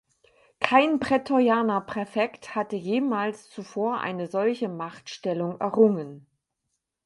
Kein Prätorianerpräfekt hatte jemals zuvor eine solche Machtstellung errungen.